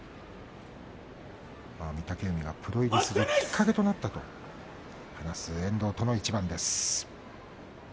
御嶽海がプロ入りするきっかけとなったと話す遠藤との一番です。